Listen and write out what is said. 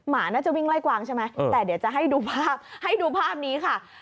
หมาน่าจะวิ่งไล่กวางใช่ไหมแต่เดี๋ยวจะให้ดูภาพให้ดูภาพนี้ค่ะ